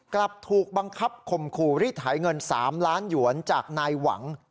กลับถูกบังคับข่มขู่รีดไถเงิน๓ล้านหยวนจากนายหวัง